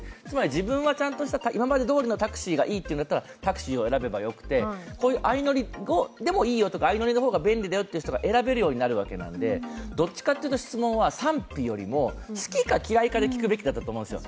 自分は今までどおりのタクシーがいいというのならばタクシーを選べばよくて、相乗りでもいいよとか、相乗りの方が便利だという人が選べるようになるのでどっちかというと質問は賛否かというより好きか嫌いかで聞くべきだったと思うんですよ